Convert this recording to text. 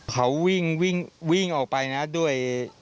เขาวิ่งวิ่งออกไปนะด้วย